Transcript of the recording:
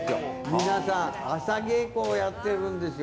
皆さん、朝稽古をやってるんですよ。